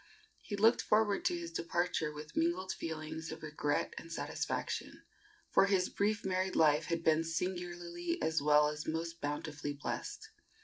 He looked forward to his departure with mingled feelings of regret and satisfaction, for his brief married life had been singularly as well as most bountifully blessed.